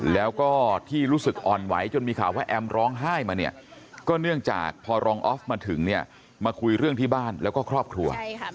แล้วก็ที่รู้สึกอ่อนไหวจนมีข่าวว่าแอมร้องไห้มาเนี่ยก็เนื่องจากพอรองออฟมาถึงเนี่ยมาคุยเรื่องที่บ้านแล้วก็ครอบครัว